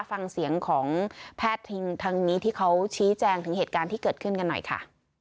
ฟังเสียงของแพทย์ทางนี้ที่เขาชี้แจงถึงเหตุการณ์ที่เกิดขึ้นกันหน่อยค่ะ